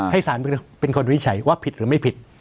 สารเป็นคนวินิจฉัยว่าผิดหรือไม่ผิด